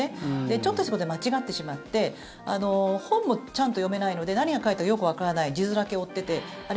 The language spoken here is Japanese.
ちょっとしたことで間違ってしまって本もちゃんと読めないので何が書いてあるのかよくわからない字面だけ追っていてあれ？